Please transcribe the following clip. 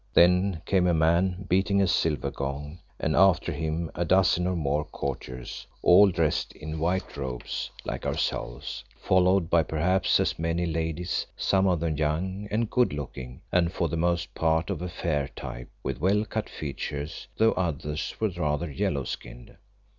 Then came a man beating a silver gong, and after him a dozen or more courtiers, all dressed in white robes like ourselves, followed by perhaps as many ladies, some of them young and good looking, and for the most part of a fair type, with well cut features, though others were rather yellow skinned.